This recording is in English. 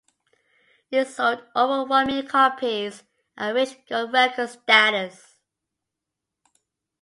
It sold over one million copies and reached gold record status.